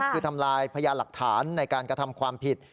คือทำลายพยานหลักฐานในการกระทำความผิด